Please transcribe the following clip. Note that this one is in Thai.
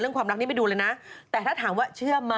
โอลี่คัมรี่ยากที่ใครจะตามทันโอลี่คัมรี่ยากที่ใครจะตามทัน